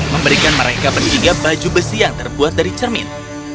memberikan mereka bertiga baju besi yang terbuat dari cermin